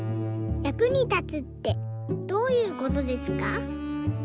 役に立つってどういうことですか？」。